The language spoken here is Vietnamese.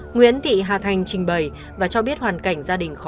nguyễn thị hà thành trình bày và cho biết hoàn cảnh gia đình khó khăn đang nuôi con nhỏ